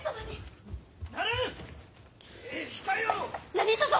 ・何とぞ！